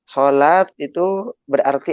sholat itu berarti